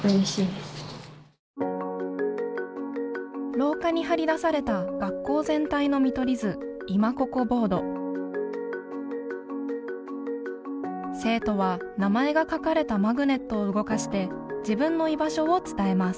廊下に張り出された学校全体の見取り図生徒は名前が書かれたマグネットを動かして自分の居場所を伝えます。